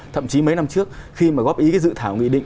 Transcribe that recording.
thậm chí mấy năm trước khi mà góp ý cái dự thảo nghị định